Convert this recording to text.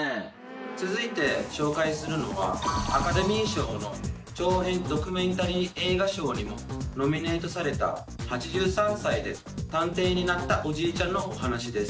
続いて紹介するのは、アカデミー賞の長編ドキュメンタリー映画賞にもノミネートされた、８３歳で探偵になったおじいちゃんのお話です。